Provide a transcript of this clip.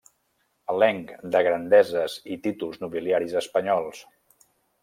Elenc de Grandeses i Títols Nobiliaris Espanyols.